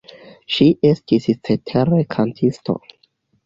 Ŝi estis cetere kantisto.